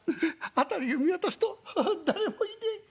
辺りを見渡すと誰もいねえ。